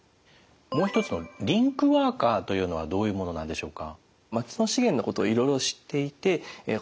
もう一つのリンクワーカーというのはどういうものなんでしょうか？